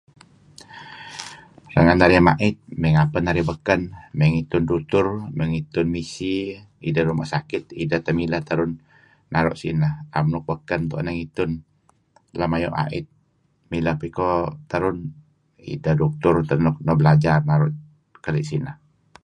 Renga' narih mait may ngapeh narih baken may ngitun doctor may ngitun misi iih ngi ruma' sakit ideh teh mileh terun naru' sineh am nuk baken uen narih ngitun. Lem ayu' ait mileh piko terun ideh doctor teh nuk belajar naru' kadi' sinah.